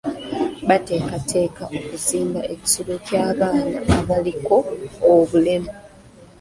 Bateekateeka okuzimba ekisulo ky'abaana abaliko obulemu.